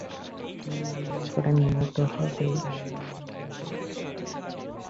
তিনি মনে করেন, ইহা তো হইবেই, ইহা না হওয়াই অন্যায়।